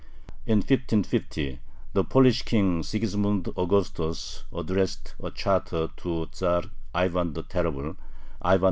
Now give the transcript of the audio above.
In 1550 the Polish King Sigismund Augustus addressed a "charter" to Tzar Ivan the Terrible (Ivan IV.)